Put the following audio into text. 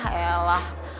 hah eh lah